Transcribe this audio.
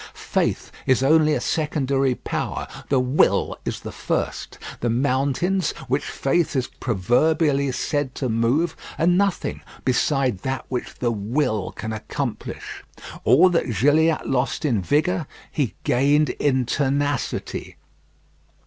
Faith is only a secondary power; the will is the first. The mountains, which faith is proverbially said to move, are nothing beside that which the will can accomplish. All that Gilliatt lost in vigour, he gained in tenacity.